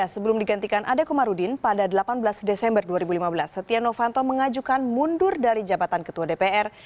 sebelum digantikan adekomarudin pada delapan belas desember dua ribu lima belas setia novanto mengajukan mundur dari jabatan ketua dpr